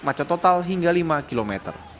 macet total hingga lima km